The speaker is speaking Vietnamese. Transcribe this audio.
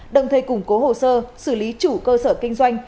đồng thời củng cố hồ sơ xử lý chủ cơ sở kinh doanh